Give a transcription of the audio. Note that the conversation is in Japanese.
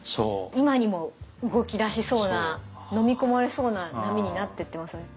今にも動きだしそうなのみ込まれそうな波になってってますよね。